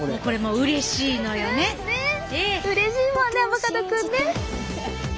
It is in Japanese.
うれしいもんねアボカドくんね！